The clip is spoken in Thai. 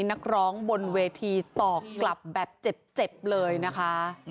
นักร้องบนเวทีตอบกลับแบบเจ็บเลยนะคะ